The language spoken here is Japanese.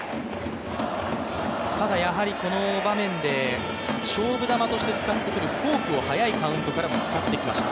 ただやはりこの場面で、勝負球として使ってくるフォークをはやいカウントからも使ってきました。